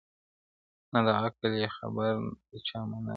نه د عقل يې خبر د چا منله-